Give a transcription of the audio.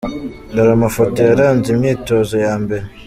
Dore amafoto yaranze imyitozo ya mbere:.